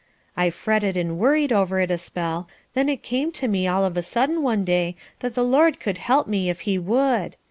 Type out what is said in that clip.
I fretted and worried over it a spell, then it came to me all of a sudden one day that the Lord could help me if he would.